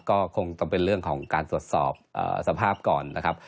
ก็คงต้องเป็นเรื่องของการตรวจสอบสภาพก่อนนะครับ